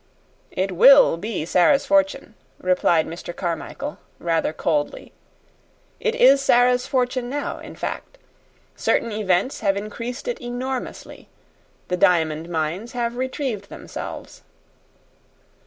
"It WILL be Sara's fortune," replied Mr. Carmichael, rather coldly. "It is Sara's fortune now, in fact. Certain events have increased it enormously. The diamond mines have retrieved themselves."